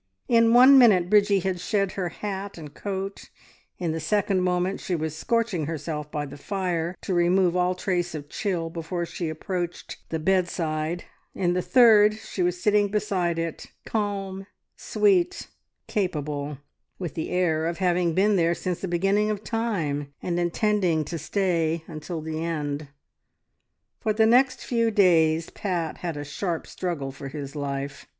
In one minute Bridgie had shed her hat and coat, in the second moment she was scorching herself by the fire, to remove all trace of chill before she approached the bedside, in the third she was sitting beside it calm, sweet, capable, with the air of having been there since the beginning of time, and intending to stay until the end. For the next few days Pat had a sharp struggle for his life.